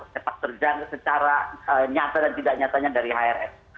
sepak terjang secara nyata dan tidak nyatanya dari hrs